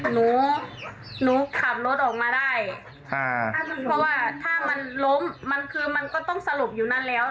หนูหนูขับรถออกมาได้ค่ะเพราะว่าถ้ามันล้มมันคือมันก็ต้องสลบอยู่นั่นแล้ว